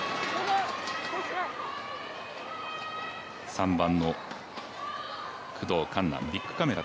３番の工藤環奈ビックカメラ